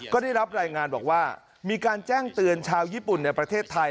ก็ได้รับรายงานบอกว่ามีการแจ้งเตือนชาวญี่ปุ่นในประเทศไทย